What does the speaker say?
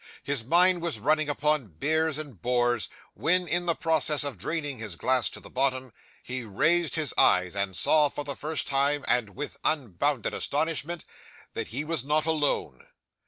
His mind was running upon bears and boars, when, in the process of draining his glass to the bottom, he raised his eyes, and saw, for the first time and with unbounded astonishment, that he was not alone.